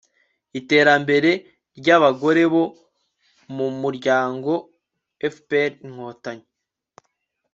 iterambere ry'abagore bo m'umuryango fpr-inkotanyi